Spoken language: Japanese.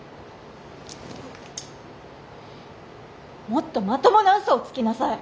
もっとまともな嘘をつきなさい！